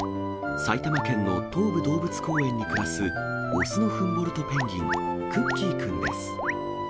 埼玉県の東武動物公園に暮らす雄のフンボルトペンギン、クッキーくんです。